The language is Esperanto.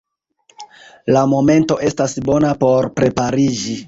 La momento estas bona por prepariĝi.